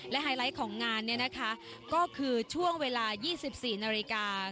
และไฮไลท์ของงานก็คือช่วงเวลา๒๔นาฬิกา